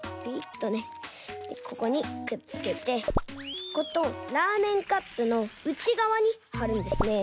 ここにくっつけてこことラーメンカップのうちがわにはるんですね。